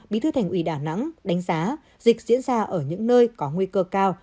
bí thư thành ủy đà nẵng đánh giá dịch diễn ra ở những nơi có nguy cơ cao